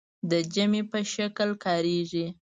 د جمع په شکل کاریږي.